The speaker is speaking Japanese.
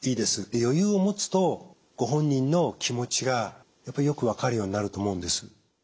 余裕を持つとご本人の気持ちがやっぱりよく分かるようになると思うんです。